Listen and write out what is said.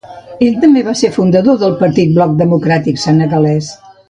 Ell també va ser el fundador del partit Bloc democràtic senegalès.